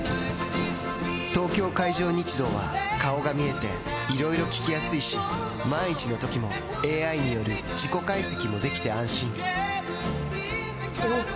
東京海上日動は顔が見えていろいろ聞きやすいし万一のときもＡＩによる事故解析もできて安心おぉ！